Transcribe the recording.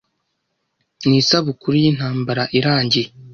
Ni isabukuru y'intambara irangiye.